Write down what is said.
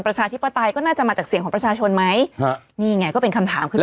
ประชาธิปไตยก็น่าจะมาจากเสียงของประชาชนไหมฮะนี่ไงก็เป็นคำถามขึ้นมา